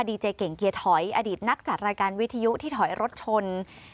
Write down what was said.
เจเก่งเกียร์ถอยอดีตนักจัดรายการวิทยุที่ถอยรถชน